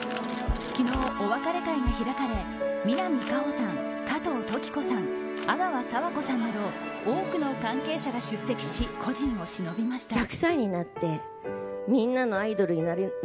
昨日、お別れ会が開かれ南果歩さん、加藤登紀子さん阿川佐和子さんなど多くの関係者が出席し故人をしのびました。